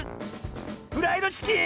フライドチキン⁉